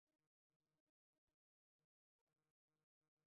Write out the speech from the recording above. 生于康斯坦茨。